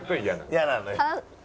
嫌なのよ。